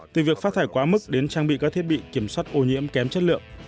từ việc phát thải quá mức đến trang bị các thiết bị kiểm soát ô nhiễm kém chất lượng